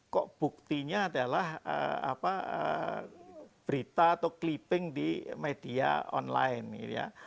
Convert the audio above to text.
kok buktinya adalah berita atau clipping di media online